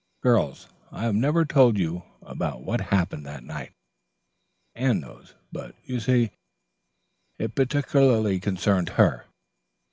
"Girls, I have never told you about what happened that night. Anne knows, but, you see, it particularly concerned her.